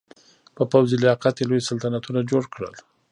په پوځي لیاقت یې لوی سلطنتونه جوړ کړل.